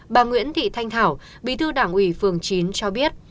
bà nguyễn thị thanh thảo bí thư đảng ủy phường chín cho biết